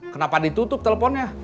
kenapa ditutup teleponnya